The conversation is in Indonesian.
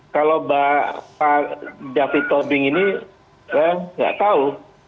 kalau pak david tobing ini saya nggak tahu